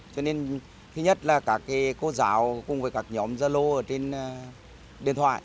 cho nên thứ nhất là các cô giáo cùng với các nhóm gia lô ở trên điện thoại